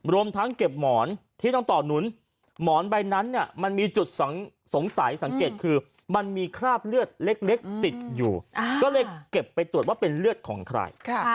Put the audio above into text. รวมทั้งเก็บหมอนที่ต้องต่อหนุนหมอนใบนั้นเนี่ยมันมีจุดสงสัยสังเกตคือมันมีคราบเลือดเล็กติดอยู่ก็เลยเก็บไปตรวจว่าเป็นเลือดของใคร